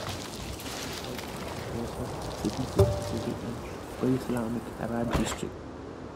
Al-Hirah was a significant city in pre-Islamic Arab history.